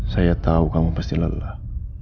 saya tahu kamu pasti lelah